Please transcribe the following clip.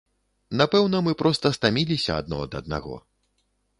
Напэўна мы проста стаміліся адно ад аднаго.